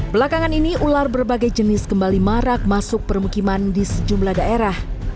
belakangan ini ular berbagai jenis kembali marak masuk permukiman di sejumlah daerah